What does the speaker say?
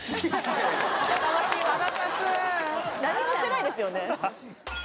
腹立つ何もしてないですよね？